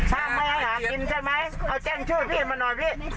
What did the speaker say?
ถ้าไม่ให้หากินใช่ไหมเอาแจ้งช่วยพี่มาหน่อยพี่